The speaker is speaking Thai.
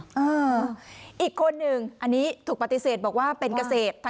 อีกคนหนึ่งอันนี้ถูกปฏิเสธบอกว่าเป็นเกษตร